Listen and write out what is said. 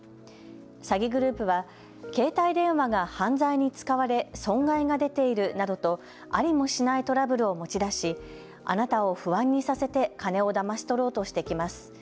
詐欺グループは携帯電話が犯罪に使われ損害が出ているなどとありもしないトラブルを持ち出しあなたを不安にさせて金をだまし取ろうとしてきます。